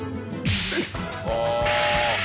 ああ。